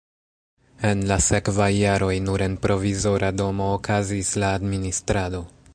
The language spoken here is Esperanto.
En la sekvaj jaroj nur en provizora domo okazis la administrado.